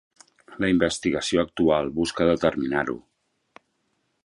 La investigació actual busca determinar-ho.